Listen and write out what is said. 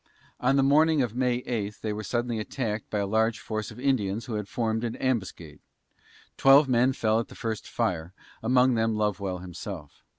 On the morning of May 8 they were suddenly attacked by a large force of Indians who had formed an ambuscade. Twelve men fell at the first fire, among them Lovewell himself.